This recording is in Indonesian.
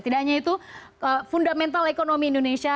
tidak hanya itu fundamental ekonomi indonesia